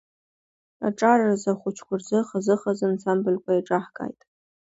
Аҿар рзы, ахәыҷқәа рзы хазы-хазы ансамбыльқәа еиҿаҳқааит.